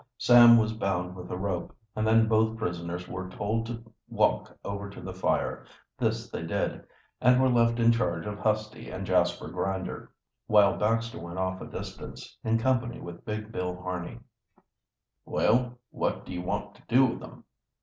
Sam was bound with a rope, and then both prisoners were told to walk over to the fire. This they did, and were left in charge of Husty and Jasper Grinder, while Baxter went off a distance, in company with big Bill Harney. "Well, what do you want to do with 'em?"